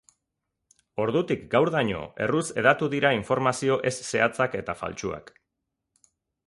Ordutik gaurdaino, erruz hedatu dira informazio ez zehatzak eta faltsuak.